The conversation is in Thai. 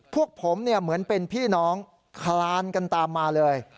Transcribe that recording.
พวกผมเหมือนเป็นพี่น้องคลานกันตามมาเลย